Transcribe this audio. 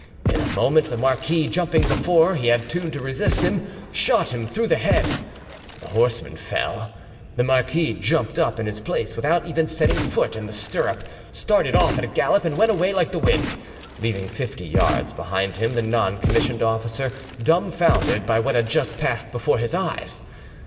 In a moment the marquis, jumping up before he had tune to resist him, shot him through the head; the horseman fell, the marquis jumped up in his place without even setting foot in the stirrup, started off at a gallop, and went away like the wind, leaving fifty yards behind him the non commissioned officer, dumbfounded with what had just passed before his eyes.